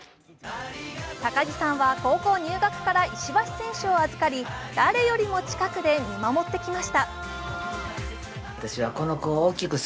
高木さんは高校入学から石橋選手を預かり、誰よりも近くで見守ってきました。